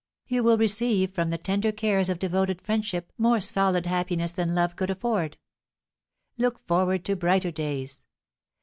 You will receive from the tender cares of devoted friendship more solid happiness than love could afford. Look forward to brighter days.